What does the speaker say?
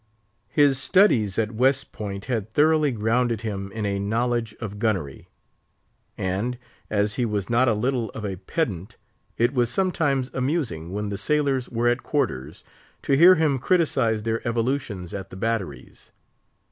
His studies at West Point had thoroughly grounded him in a knowledge of gunnery; and, as he was not a little of a pedant, it was sometimes amusing, when the sailors were at quarters, to hear him criticise their evolutions at the batteries.